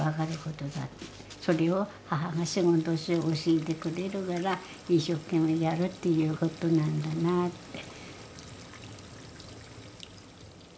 それを母が仕事仕事教えてくれるから一生懸命やるっていうことなんだなぁって。